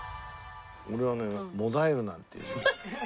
俺はね「悶える」なんていう。